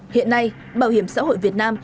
hiện nay bảo hiểm xã hội việt nam